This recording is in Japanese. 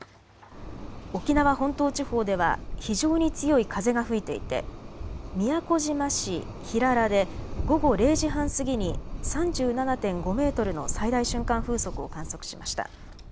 沖縄本島地方では非常に強い風が吹いていて宮古島市平良で午後０時半過ぎに３７．５メートルの最大瞬間風速を観測しました。